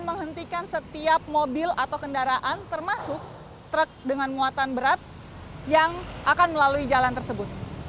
menghentikan setiap mobil atau kendaraan termasuk truk dengan muatan berat yang akan melalui jalan tersebut